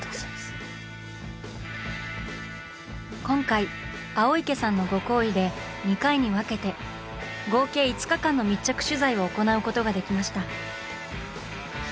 今回青池さんのご厚意で２回に分けて合計５日間の密着取材を行うことができました。